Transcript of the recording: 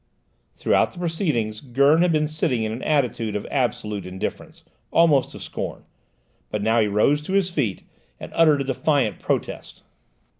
Throughout the proceedings Gurn had been sitting in an attitude of absolute indifference, almost of scorn; but now he rose to his feet and uttered a defiant protest.